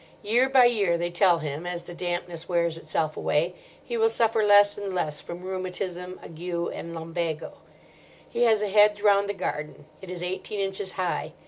Year by year, they tell him, as the dampness wears itself away, he will suffer less and less from rheumatism, ague, and lumbago. He has a hedge round the garden; it is eighteen inches high.